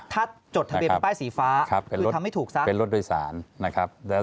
ถ้าจดทะเบียนเป็นป้ายสีฟ้าคือทำให้ถูกซะเป็นรถโดยสารนะครับ